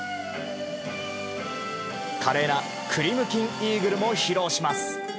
華麗なクリムキンイーグルも披露します。